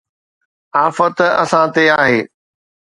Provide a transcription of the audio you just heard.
آفت اسان تي آهي